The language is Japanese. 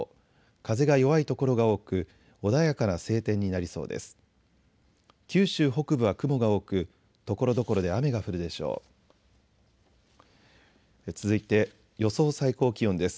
風が弱い所が多く穏やかな晴天になりそうです。